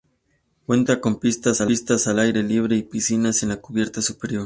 Cuenta con pistas al aire libre y piscina en la cubierta superior.